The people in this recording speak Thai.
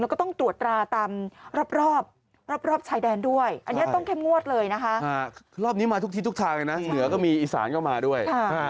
แล้วก็ต้องตรวจตราตามรอบชายแดนด้วย